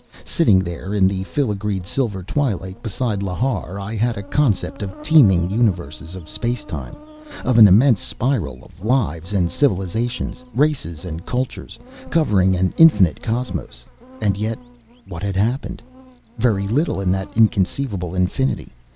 Sitting there in the filigreed, silver twilight beside Lhar, I had a concept of teeming universes of space time, of an immense spiral of lives and civilizations, races and cultures, covering an infinite cosmos. And yet what had happened? Very little, in that inconceivable infinity.